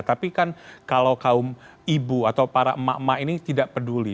tapi kan kalau kaum ibu atau para emak emak ini tidak peduli